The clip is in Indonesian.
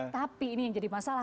tapi ini yang jadi masalah